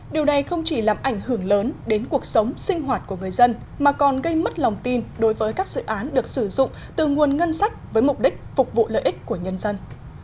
điều này không chỉ làm ảnh hưởng lớn đến cuộc sống sinh hoạt của người dân mà còn gây mất lòng tin đối với các dự án được sử dụng từ nguồn ngân sách với mục đích phục vụ lợi ích của nhân dân